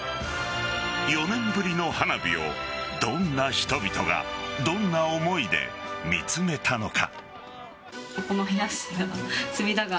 ４年ぶりの花火をどんな人々がどんな思いで見つめたのか。